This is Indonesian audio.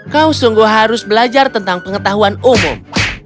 kau sungguh harus belajar tentang pengetahuan umum